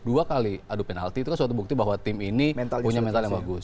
dua kali adu penalti itu kan suatu bukti bahwa tim ini punya mental yang bagus